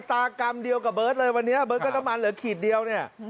ตากรรมเดียวกับเบิร์ตเลยวันนี้เบิร์ตก็น้ำมันเหลือขีดเดียวเนี่ย